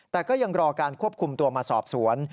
แต่ก็ยังรอการควบคุมตัวมาสอบสวน